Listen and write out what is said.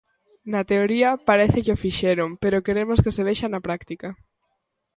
"Na teoría parece que o fixeron, pero queremos que se vexa na práctica".